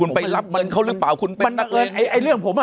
คุณไปรับเงินเขาหรือเปล่าคุณเป็นมันบังเอิญไอ้ไอ้เรื่องผมอ่ะ